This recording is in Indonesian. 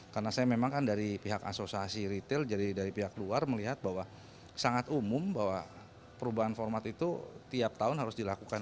karena saya memang kan dari pihak asosiasi retail jadi dari pihak luar melihat bahwa sangat umum bahwa perubahan format itu tiap tahun harus dilakukan